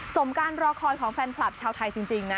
สมการรอคอยของแฟนคลับชาวไทยจริงนะ